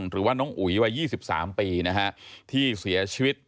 หรือว่าน้องอุ๋ยวัย๒๓ปีนะฮะที่เสียชีวิต